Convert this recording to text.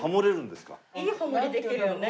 いいハモリできるよね。